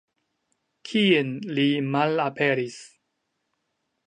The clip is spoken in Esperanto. Kien li malaperis?